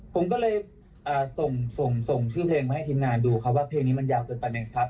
ผมก็เลยส่งส่งชื่อเพลงมาให้ทีมงานดูครับว่าเพลงนี้มันยาวเกินไปไหมครับ